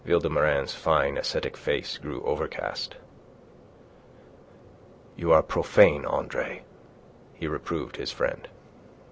de Vilmorin's fine ascetic face grew overcast. "You are profane, Andre," he reproved his friend.